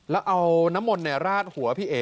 แล้วเอาน้ำมนต์ราดหัวพี่เอ๋